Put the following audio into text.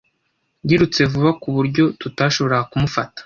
Yirutse vuba ku buryo tutashoboraga kumufata.